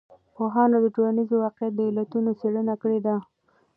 پوهانو د ټولنیز واقعیت د علتونو څېړنه کړې ده.